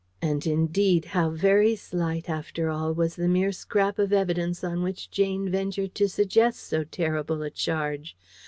And indeed, how very slight, after all, was the mere scrap of evidence on which Jane ventured to suggest so terrible a charge!